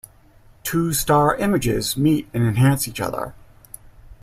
Two star images meet and enhance each other.